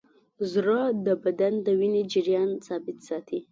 زړه د بدن د وینې جریان ثابت ساتي.